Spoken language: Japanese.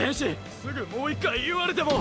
すぐもう１回言われても！